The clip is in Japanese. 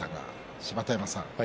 芝田山さん